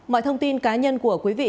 mọi thông tin cá nhân của quý vị